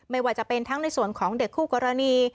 ไม่ว่าจะเป็นทั้งในส่วนของเด็กคู่กรณี